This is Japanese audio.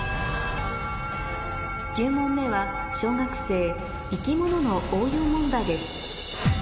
９問目は小学生生き物の応用問題です